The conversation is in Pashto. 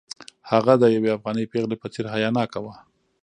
هغه د یوې افغانۍ پېغلې په څېر حیاناکه وه.